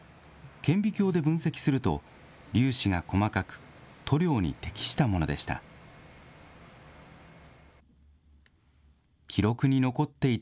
顕微鏡で分析すると、粒子が細かく、塗料に適したものでした。